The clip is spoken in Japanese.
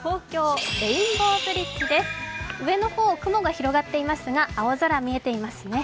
上の方、雲が広がっていますが青空見えていますね。